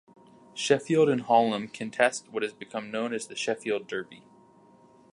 Sheffield and Hallam contest what has become known as the Sheffield derby.